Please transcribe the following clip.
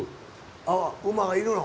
ああ馬がいるの？